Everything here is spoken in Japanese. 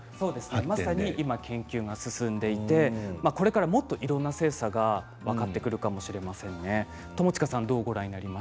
まさに今、研究が続いていてこれからいろいろな性差が分かるかもしれません。